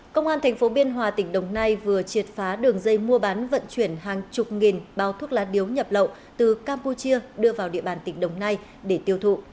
công an tp biên hòa tỉnh đồng nai vừa triệt phá đường dây mua bán vận chuyển hàng chục nghìn bao thuốc lá điếu nhập lậu từ campuchia đưa vào địa bàn tỉnh đồng nai để tiêu thụ